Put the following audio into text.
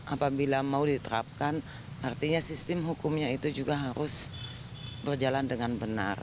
apabila mau diterapkan artinya sistem hukumnya itu juga harus berjalan dengan benar